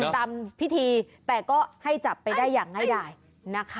ตามพิธีแต่ก็ให้จับไปได้อย่างง่ายได้นะคะ